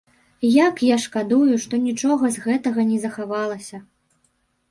Як я шкадую, што нічога з гэтага не захавалася!